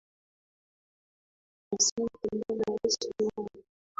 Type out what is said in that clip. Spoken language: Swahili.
Asante Bwana Yesu wangu.